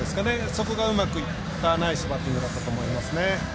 そこがうまくいったナイスバッティングだったと思いますね。